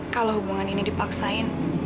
kalau hubungan ini dipaksain